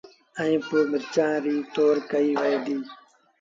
ائيٚݩ پو مرچآݩ ريٚ تور ڪئيٚ وهي ديٚ